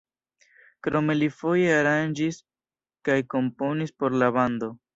Krome li foje aranĝis kaj komponis por la bando.